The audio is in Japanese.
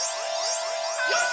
よし！